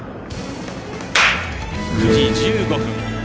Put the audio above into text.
９時１５分